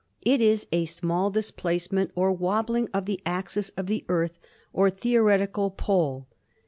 It is a small displacement or wobbling of the axis of the Earth or theoretical pole.